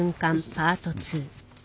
パート２。